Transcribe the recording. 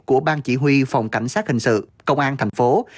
của ban chỉ huy phòng cảnh sát hình sự công an tp hcm